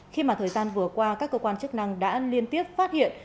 khi mà thời gian vừa qua các cơ quan chức năng đã liên tiếp phát hiện